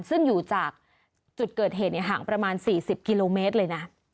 ซึ่งอยู่จากจุดเกิดเหตุห่างประมาณ๔๐กิโลเมตรเลยนะ